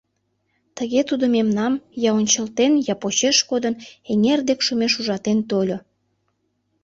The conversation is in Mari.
Тыге тудо мемнам, я ончылтен, я почеш кодын, эҥер дек шумеш ужатен тольо.